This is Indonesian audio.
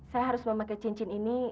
saya harus memakai cincin ini